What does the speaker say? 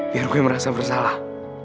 biar gua yang merasa bersalah